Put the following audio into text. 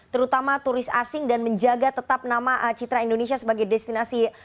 terutama turis asing dan menjaga tetap nama citra indonesia sebagai destinasi